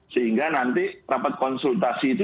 sehingga nanti rapat konsultasi itu